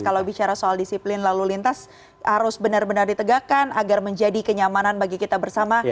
kalau bicara soal disiplin lalu lintas harus benar benar ditegakkan agar menjadi kenyamanan bagi kita bersama